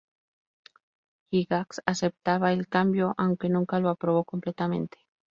Gygax aceptaba el cambio, aunque nunca lo aprobó completamente.